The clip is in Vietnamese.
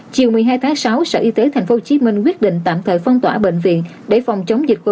chiều một mươi hai tháng sáu sở y tế tp hcm quyết định tạm thời phong tỏa bệnh viện để phòng chống dịch covid một mươi